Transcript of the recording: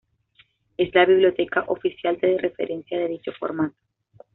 Es la biblioteca oficial de referencia de dicho formato.